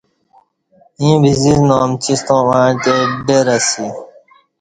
ییں بسزسنا امچِستاں وعݩتے دی ڈر اسی